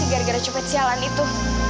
gara gara copet sialan itu